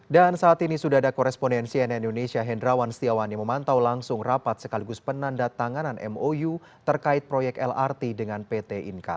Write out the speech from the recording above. dan saat ini sudah ada koresponensi dari cnn indonesia hendrawan setiawan yang memantau langsung rapat sekaligus penanda tanganan mou terkait proyek lrt dengan pt inka